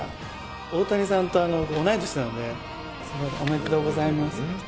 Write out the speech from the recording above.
大谷さんと同い年なので、すごい、おめでとうございます。